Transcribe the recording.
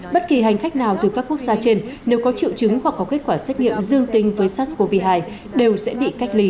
bất kỳ hành khách nào từ các quốc gia trên nếu có triệu chứng hoặc có kết quả xét nghiệm dương tính với sars cov hai đều sẽ bị cách ly